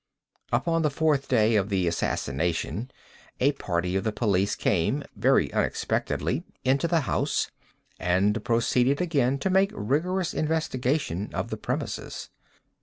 Upon the fourth day of the assassination, a party of the police came, very unexpectedly, into the house, and proceeded again to make rigorous investigation of the premises.